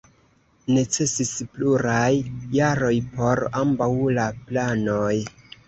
Necesis pluraj jaroj por ambaŭ la planoj.